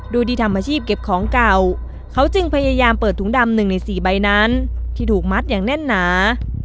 โดยที่ทำอาชีพเก็บของเก่าเขาจึงพยายามเปิดถุงดำ๑ใน๔ใบนั้นที่ถูกมัดอย่างแน่นหนา